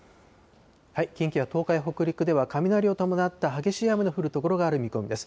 近畿や東海、北陸では雷を伴った激しい雨の降る所がある見込みです。